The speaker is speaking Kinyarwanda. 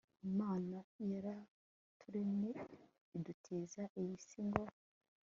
imana yaraturemye idutuza iyi si, ngo